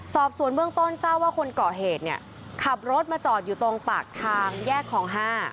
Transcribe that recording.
สอบสวนเบื้องต้นทราบว่าคนก่อเหตุเนี่ยขับรถมาจอดอยู่ตรงปากทางแยกคลอง๕